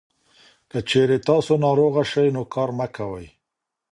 که چېرې تاسو ناروغه شئ، نو کار مه کوئ.